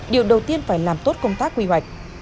điều đầu tiên phải làm tốt công tác quy hoạch